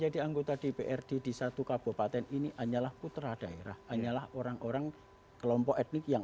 anggota dprd di satu kabupaten ini hanyalah putra daerah hanyalah orang orang kelompok etnik yang